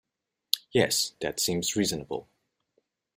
Yes, that seems reasonable.